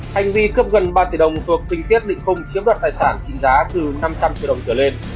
hành vi cướp gần ba tỷ đồng thuộc tinh tiết định khung chiếm đoạt tài sản trị giá từ năm trăm linh triệu đồng trở lên